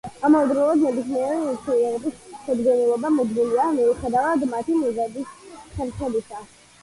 ამავდროულად, ნებისმიერი ნივთიერების შედგენილობა მუდმივია, მიუხედავად მათი მიღების ხერხებისა.